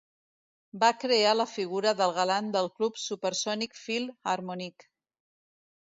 Va crear la figura del galant del club Supersonic Phil Harmonic.